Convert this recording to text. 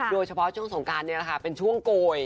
โดยเฉพาะช่วงสงการเนี่ยนะคะเป็นช่วงโกย